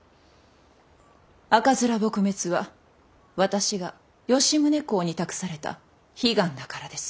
赤面撲滅は私が吉宗公に託された悲願だからです。